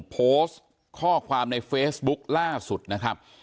โพสต์ข้อความในเฟซบุ๊คล่าสุดนะครับ